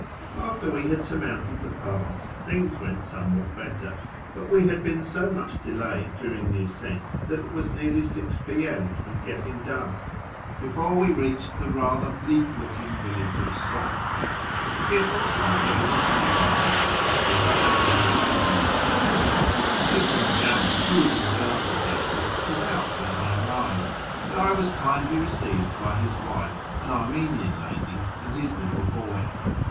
After we had surmounted the pass, things went somewhat better ; but we had been so much delayed during the ascent that it was nearly 6 p.m., and getting dusk, before we reached the rather bleak looking village of Soh. Here also there is a telegraph office, whither I directed my steps. Mr. M'Gowen, who was in charge of the office, was out when I arrived, but I was kindly received by his wife, an Armenian lady, and his little boy.